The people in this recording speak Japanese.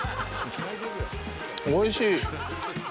おいしい！